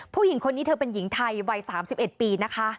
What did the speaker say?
ผู้หญิงคนนี้เธอเป็นหญิงไทยวัย๓๑ปีนะคะ